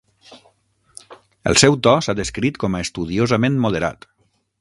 El seu to s'ha descrit com a estudiosament moderat.